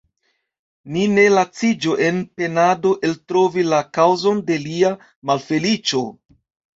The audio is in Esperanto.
Ni ne laciĝu en penado eltrovi la kaŭzon de lia malfeliĉo.